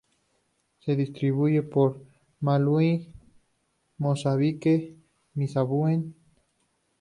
Se distribuye por Malaui, Mozambique, Zimbabue, Uganda, Kenia, Sudáfrica, Suazilandia y Tanzania.